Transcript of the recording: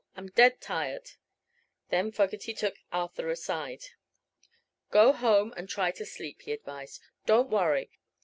I'm dead tired." Then Fogerty took Arthur aside. "Go home and try to sleep," he advised. "Don't worry.